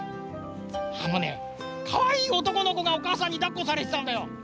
あのねかわいいおとこのこがおかあさんにだっこされてたんだよ。